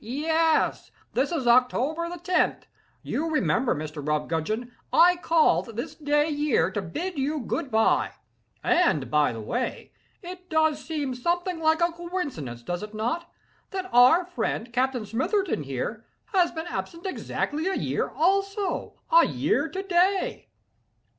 yes!—this is October the tenth. You remember, Mr. Rumgudgeon, I called, this day year to bid you good bye. And by the way, it does seem something like a coincidence, does it not—that our friend, Captain Smitherton, here, has been absent exactly a year also—a year to day!"